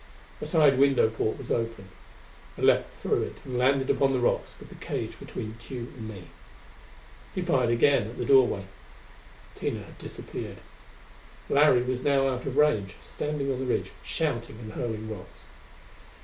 A side window porte was open; I leaped through it and landed upon the rocks, with the cage between Tugh and me. He fired again at the doorway. Tina had disappeared. Larry was now out of range, standing on the ridge, shouting and hurling rocks.